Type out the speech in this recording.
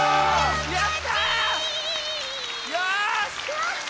やったち！